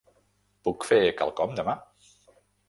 Puc fer quelcom demà?